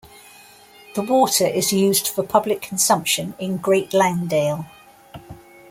The water is used for public consumption in Great Langdale.